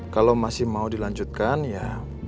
kalau masih mau dilanjutkan ya